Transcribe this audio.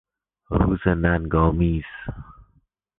روز ننگآمیز